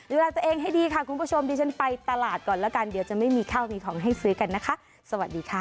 ดูแลตัวเองให้ดีค่ะคุณผู้ชมดิฉันไปตลาดก่อนแล้วกันเดี๋ยวจะไม่มีข้าวมีของให้ซื้อกันนะคะสวัสดีค่ะ